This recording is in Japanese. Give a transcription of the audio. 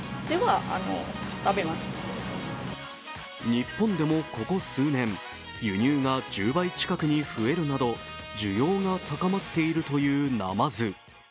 日本でもここ数年、輸入が１０倍近くに増えるなど需要が高まっているというなまず。